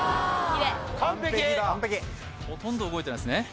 完璧ほとんど動いてないですね